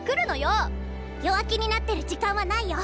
弱気になってる時間はないよ。